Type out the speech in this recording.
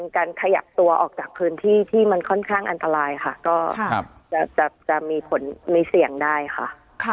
ก็จะมีเสี่ยงได้ค่ะ